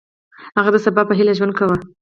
هغه د سبا په هیله ژوند کاوه.